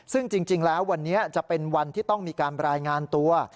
ซึ่งจริงแล้ววันนี้จะเป็นวันที่ต้องมีการรายงานตัว